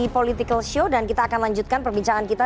political show dan kita akan lanjutkan perbincangan kita